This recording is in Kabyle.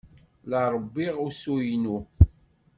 La rewwiɣ usu-inu.